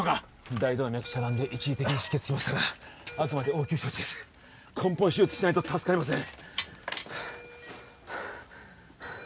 大動脈遮断で一時的に止血しましたがあくまで応急処置です根本手術しないと助かりません